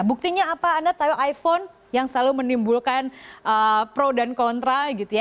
buktinya apa anda tahu iphone yang selalu menimbulkan pro dan kontra gitu ya